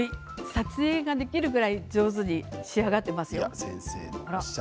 撮影ができるぐらい上手に仕上がっていますよ。